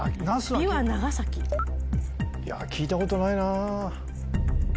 いや聞いたことないな。